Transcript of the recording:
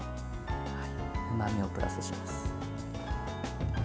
うまみをプラスします。